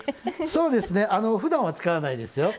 そうですねふだんは使わないですよ。